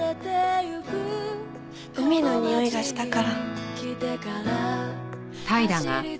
海のにおいがしたから。